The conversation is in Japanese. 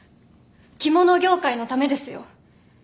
着物業界のためですよ。